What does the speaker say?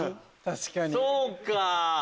そうか！